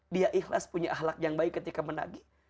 dia ikhlas punya ahlak yang baik ketika menagih